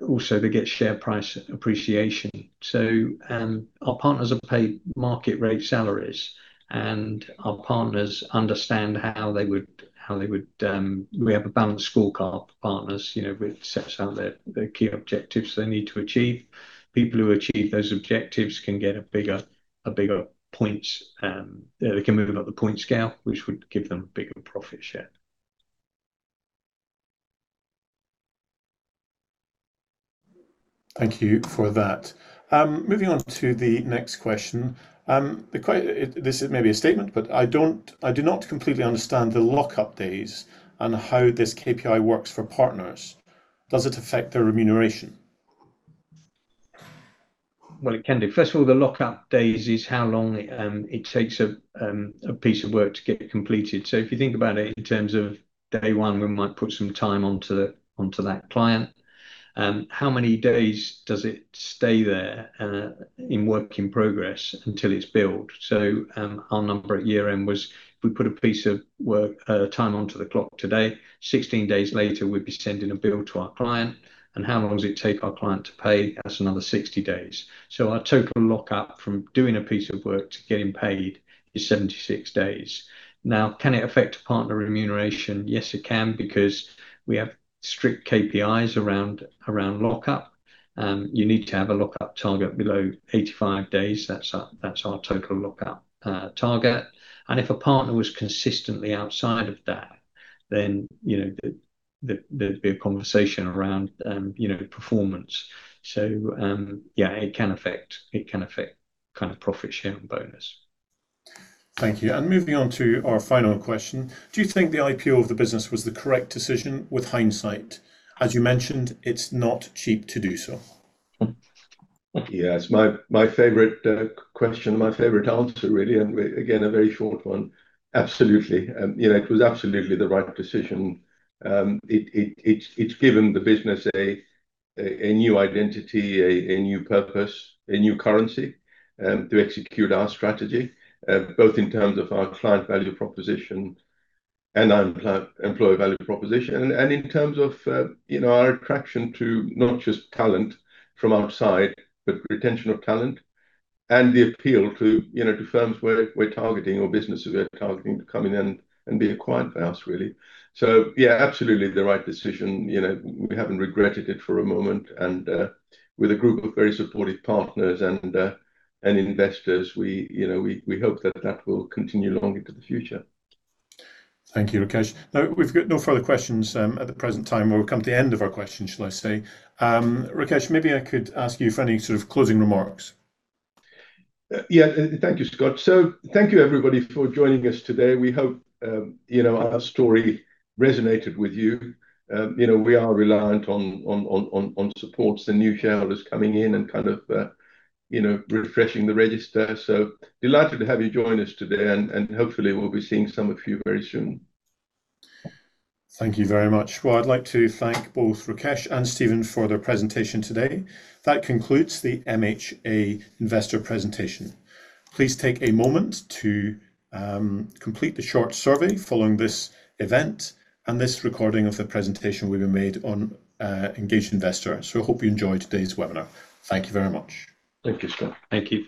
Also they get share price appreciation. Our partners are paid market rate salaries, and our partners understand. We have a balanced scorecard for partners, which sets out the key objectives they need to achieve. People who achieve those objectives can get a bigger. They can move them up the point scale, which would give them bigger profit share. Thank you for that. Moving on to the next question. This may be a statement, but I do not completely understand the lockup days and how this KPI works for partners. Does it affect their remuneration? Well, it can do. First of all, the lockup days is how long it takes a piece of work to get completed. If you think about it in terms of day one, we might put some time onto that client. How many days does it stay there in work in progress until it's billed? Our number at year end was if we put a piece of work, time onto the clock today, 16 days later, we'd be sending a bill to our client. And how long does it take our client to pay? That's another 60 days. Our total lockup from doing a piece of work to getting paid is 76 days. Now, can it affect partner remuneration? Yes, it can because we have strict KPIs around lockup. You need to have a lockup target below 85 days. That's our total lockup target. If a partner was consistently outside of that then there'd be a conversation around performance. Yeah, it can affect kind of profit share and bonus. Thank you. Moving on to our final question. Do you think the IPO of the business was the correct decision with hindsight? As you mentioned, it's not cheap to do so. Yes. My favorite question, my favorite answer really, again, a very short one. Absolutely. It was absolutely the right decision. It's given the business a new identity, a new purpose, a new currency to execute our strategy, both in terms of our client value proposition and our employee value proposition. In terms of our attraction to not just talent from outside, but retention of talent and the appeal to firms we're targeting or businesses we're targeting to come in and be acquired by us, really. Yeah, absolutely the right decision. We haven't regretted it for a moment and with a group of very supportive partners and investors, we hope that that will continue long into the future. Thank you, Rakesh. We've got no further questions at the present time. We've come to the end of our questions, shall I say. Rakesh, maybe I could ask you for any sort of closing remarks. Thank you, Scott. Thank you everybody for joining us today. We hope our story resonated with you. We are reliant on supports, the new shareholders coming in and kind of refreshing the register. Delighted to have you join us today, and hopefully we'll be seeing some of you very soon. Thank you very much. I'd like to thank both Rakesh and Steven for their presentation today. That concludes the MHA investor presentation. Please take a moment to complete the short survey following this event and this recording of the presentation will be made on Engage Investor. I hope you enjoyed today's webinar. Thank you very much. Thank you, Scott. Thank you.